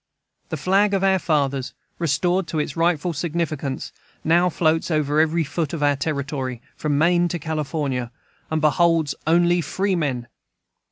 The flag of our fathers, restored to its rightful significance, now floats over every foot of our territory, from Maine to California, and beholds only freemen!